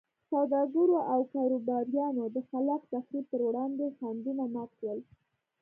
سوداګرو او کاروباریانو د خلاق تخریب پر وړاندې خنډونه مات کړل.